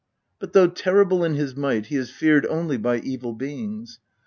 But though terrible in his might, he is feared only by evil beings.